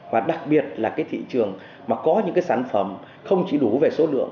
và đặc biệt là cái thị trường mà có những cái sản phẩm không chỉ đủ về số lượng